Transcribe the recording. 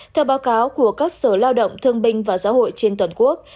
theo báo cáo của các sở lao động thương binh và xã hội trên toàn quốc